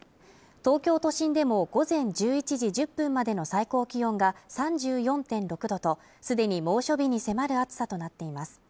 東京都心でも午前１１時１０分までの最高気温が３４．６度とすでに猛暑日に迫る暑さとなっています